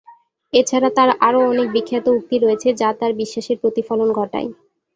এছাড়া তার আরও অনেক বিখ্যাত উক্তি রয়েছে যা তার বিশ্বাসের প্রতিফলন ঘটায়।